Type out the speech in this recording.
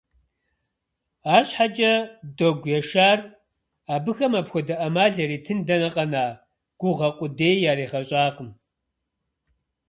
АрщхьэкӀэ Догу Яшар абыхэм апхуэдэ Ӏэмал яритын дэнэ къэна, гугъэ къудеи яригъэщӀакъым.